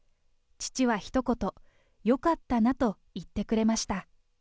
父はひと言、よかったなと言ってくれました。